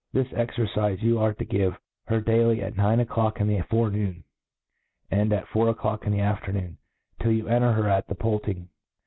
Thfs cxcrcife you arc to give her daily at nine o*fdock in the forenoon, and at four o'lock in the afternoon, till you enter her at the poulting